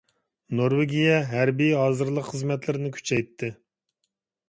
نورۋېگىيە ھەربىي ھازىرلىق خىزمەتلىرىنى كۈچەيتتى.